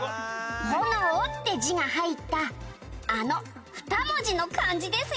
「“炎”って字が入ったあの２文字の漢字ですよ」